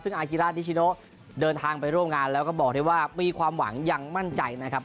ซึ่งอากิราชนิชิโนเดินทางไปร่วมงานแล้วก็บอกได้ว่ามีความหวังยังมั่นใจนะครับ